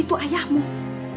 aku tidak mau mendengar kamu nakal